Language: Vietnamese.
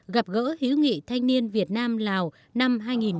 gặp gỡ hiếu nghị thanh niên việt nam lào năm hai nghìn một mươi chín